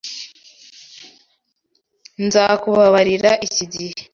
Nzakubabarira iki gihe.